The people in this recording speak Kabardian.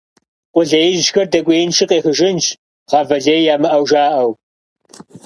Къулеижьхэр дэкӀуеинщи къехыжынщ, гъавэ лей ямыӀэу жаӀэу.